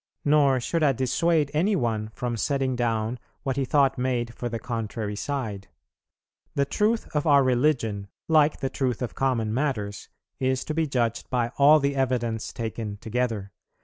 Nor should I dissuade any one from setting down what he thought made for the contrary side. ... The truth of our religion, like the truth of common matters, is to be judged by all the evidence taken together.